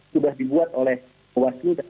sudah dibuat oleh waslu dan